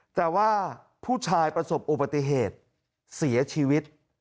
แต่ว่าผู้ชายประสบอุบัติเหตุเสียชีวิต